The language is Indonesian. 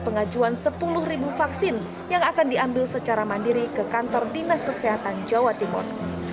pengajuan sepuluh vaksin yang akan diambil secara mandiri ke kantor dinas kesehatan jawa timur